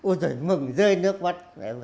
ôi trời mừng rơi nước mắt